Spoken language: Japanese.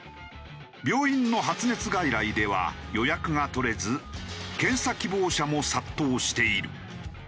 病院の発熱外来では予約が取れず検査希望者も殺到している。